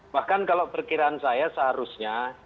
bahkan kalau perkiraan saya seharusnya